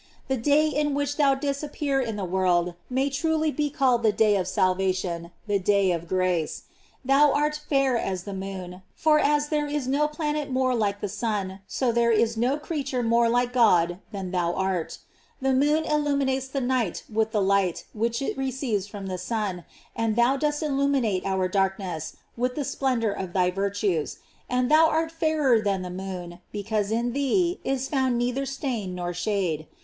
The day in which thou didst appear in the world may truly be called the day of salvation, the day of grace. Thou art fair as the moon; for aa there is no GLORIES OF MARY. 325 planet more like the sun, so there is no creature more like God than thou art. The moon illu minates the night with the light which it re ceives from the sun, and thou dost illuminate our darkness, with the splendor of thy virtues; and thou art fairer than the moon, because in thee is found neither stain nor shade.